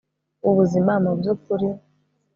ubuzima mubyukuri